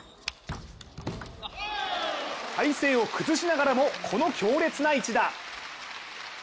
体勢を崩しながらもこの強烈な１打。